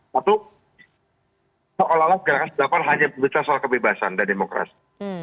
satu seolah olah gerakan sembilan puluh delapan hanya berbicara soal kebebasan dan demokrasi